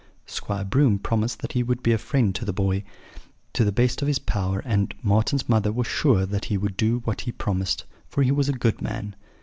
Squire Broom promised that he would be a friend to the boy to the best of his power, and Marten's mother was sure that he would do what he promised, for he was a good man.